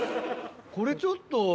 これちょっと。